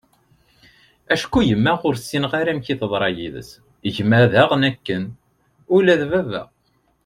acku yemma ur ssineγ amek teḍṛa yid-s, gma diγen akken, ula d baba